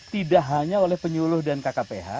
tidak hanya oleh penyuluh dan kkph